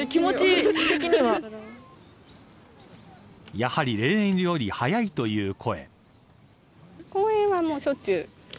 やはり例年より早いという声。